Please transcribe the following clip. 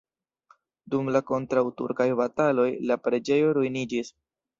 Dum la kontraŭturkaj bataloj la preĝejo ruiniĝis.